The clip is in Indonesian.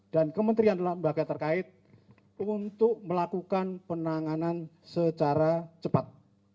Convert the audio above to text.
dan kementerian lembaga terkait untuk melakukan penanganan secara cepat